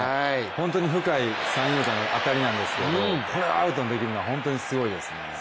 本当に深い三遊間の当たりなんですけどこれアウトにできるのは本当にすごいですね。